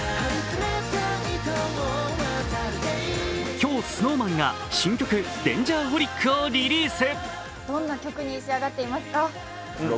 今日、ＳｎｏｗＭａｎが新曲「Ｄａｎｇｅｒｈｏｌｉｃ」をリリース。